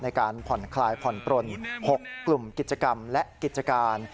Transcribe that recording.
ในการผ่อนคลายผ่อนปลน๖กลุ่มกิจกรรมและกิจการ